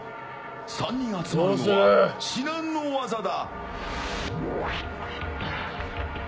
３人集まるのは至難の業だ。